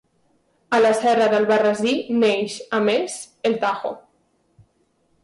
A la serra d'Albarrasí neix, a més, el Tajo.